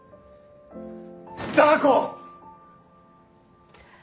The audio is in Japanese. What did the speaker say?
ダー子！